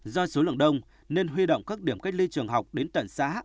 do số lượng đông nên huy động các điểm cách ly trường học đến tận xã